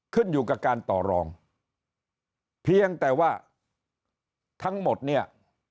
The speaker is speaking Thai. ขึ้นอยู่กับการต่อรองเพียงแต่ว่าทั้งหมดเนี่ย